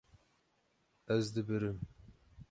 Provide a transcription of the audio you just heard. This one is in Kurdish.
Ez dibirim.